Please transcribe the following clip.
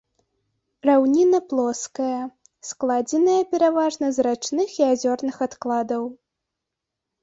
Раўніна плоская, складзеная пераважна з рачных і азёрных адкладаў.